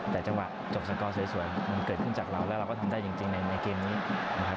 แต่จังหวะจบสกอร์สวยมันเกิดขึ้นจากเราแล้วเราก็ทำได้จริงในเกมนี้นะครับ